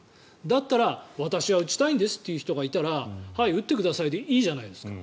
だったら、私は打ちたいんですという人がいたらはい、打ってくださいでいいじゃないですか。